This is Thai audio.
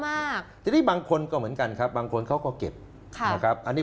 มากทีนี้บางคนก็เหมือนกันครับบางคนเขาก็เก็บค่ะนะครับอันนี้